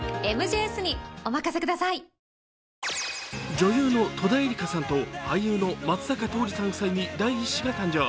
女優の戸田恵梨香さんと俳優の松坂桃李さん夫妻に第１子が誕生。